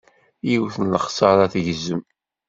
Yiwet n lexsara tgezzem.